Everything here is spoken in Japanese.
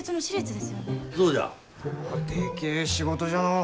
でけえ仕事じゃのう。